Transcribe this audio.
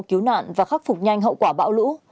cứu nạn và khắc phục nhanh hậu quả bão lũ